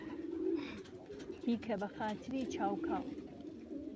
بیکه به خاتری چاو کاڵ